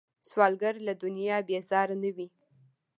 سوالګر له دنیا بیزاره نه وي